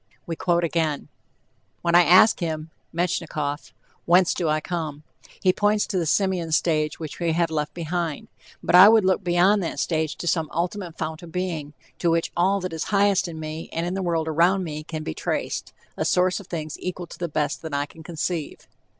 We quote again: "When I ask him (Metchnikoff) whence do I come, he points to the simian stage which we have left behind; but I would look beyond that stage to some ultimate fount of being, to which all that is highest in me and in the world around me can be traced, a source of things equal to the best that I can conceive."